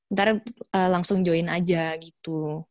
ntar langsung join aja gitu